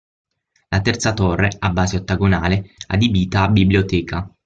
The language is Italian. La terza torre, a base ottagonale, adibita a biblioteca.